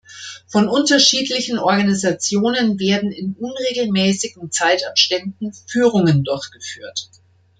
Von unterschiedlichen Organisationen werden in unregelmäßigen Zeitabständen Führungen durchgeführt.